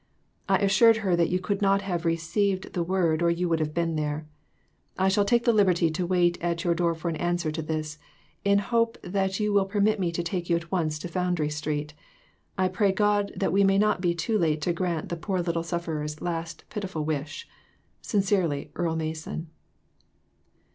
I assured her that you could not have received the word or you would have been there. I shall take the liberty to wait at your door for answer to this, in the hope that you will permit me to take you at once to Foundry Street. I pray God that we may not be too late to grant the poor little sufferer's last pitiful wish. Sincerely, EARLE MASON.